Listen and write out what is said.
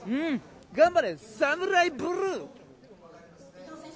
頑張れサムライブルー。